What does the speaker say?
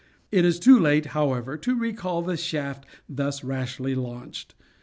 It is too late, however, to recall the shaft thus rashly launched.